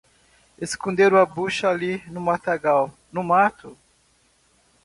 Esconderam a bucha ali no matagal, no mato